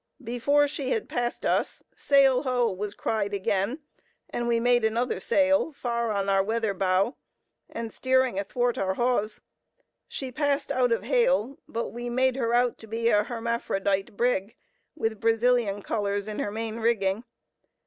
Before she had passed us, "Sail ho!" was cried again and we made another sail, far on our weather bow, and steering athwart our hawse. She passed out of hail, but we made her out to be an hermaphrodite brig, with Brazilian colors in her main rigging.